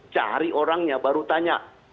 cari orangnya baru tanya